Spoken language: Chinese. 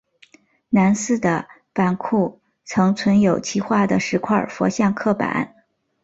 南寺的版库曾存有其画的十块佛像刻版。